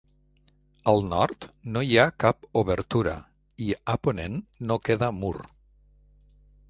Al nord no hi ha cap obertura i a ponent no queda mur.